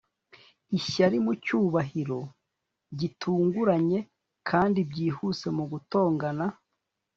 ishyari mucyubahiro, gitunguranye, kandi byihuse mu gutongana